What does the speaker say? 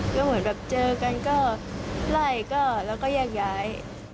ก็เหมือนแบบเจอกันก็ไล่ก็แล้วก็แยกย้าย